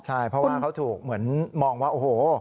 ใช่เพราะว่าเขาถูกเหมือนมองว่าโอ้โห